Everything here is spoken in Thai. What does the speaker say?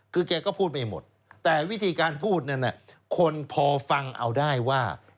คือแกก็พูดไม่หมดแต่วิธีการพูดนั้นคนพอฟังเอาได้ว่า